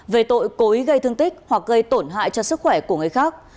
về tội cố ý gây thương tích hoặc gây tổn hại cho sức khỏe của người khác